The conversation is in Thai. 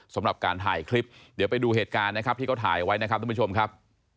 สำหรับการถ่ายคลิปเดี๋ยวไปดูเหตุการณ์นะครับที่เขาถ่ายไว้นะครับทุกผู้ชมครับ